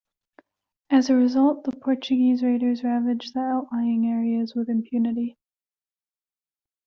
As a result, the Portuguese raiders ravaged the outlying areas with impunity.